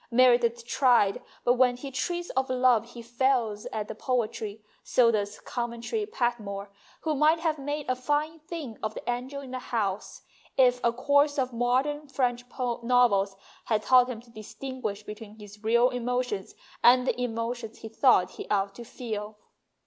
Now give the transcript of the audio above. Meredith tried, but when he treats of love he fails at the poetry. So does Coventry Patmore, who might have made a fine thing of the ' Angel in the House ' if a course of modern French novels had taught him to distinguish between his real emotions and the emotions he thought he ought to feel.